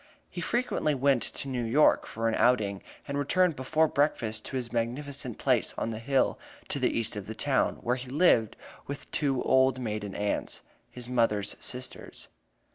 He frequently went to New York for an outing, and returned before breakfast to his magnificent place on the hill to the east of the town, where he lived with two old maiden aunts his mother's sisters.